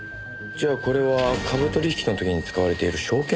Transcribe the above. じゃあこれは株取引の時に使われている証券コード？